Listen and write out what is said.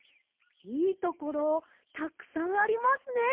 いいところたくさんありますね。